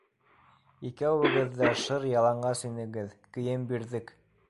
Икәүегеҙ ҙә шыр яланғас инегеҙ, кейем бирҙек.